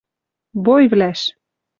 Бойвлӓш